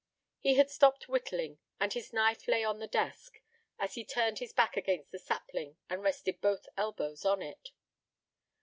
He had stopped whittling, and his knife lay on the desk, as he turned his back against the sapling and rested both elbows on it.